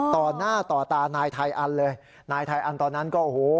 ต่อหน้าต่อตานายไทอันเลยนายไทยอันตอนนั้นก็โอ้โห